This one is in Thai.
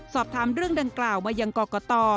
สอบถามเรื่องดังกล่าวมายังกรกต